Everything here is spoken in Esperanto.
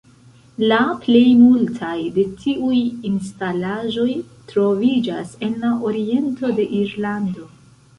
La plej multaj de tiuj instalaĵoj troviĝas en la oriento de Irlando.